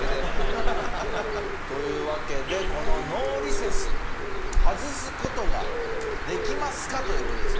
というわけでこのノーリセス外す事ができますか？という事ですよ。